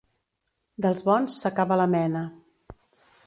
Dels bons s'acaba la mena.